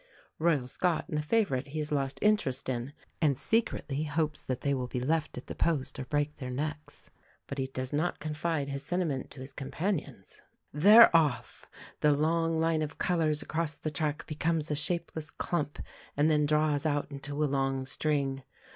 Royal Scot and the favourite he has lost interest in, and secretly hopes that they will be left at the post or break their necks; but he does not confide his sentiment to his companions. They're off! The long line of colours across the track becomes a shapeless clump and then draws out into a long string.